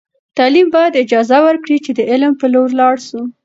تعلیم باید اجازه ورکړي چې د علم په لور لاړ سو.